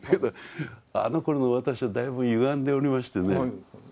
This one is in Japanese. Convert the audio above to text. あのころの私はだいぶゆがんでおりましてね